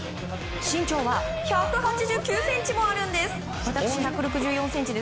身長は１８９ｃｍもあるんです。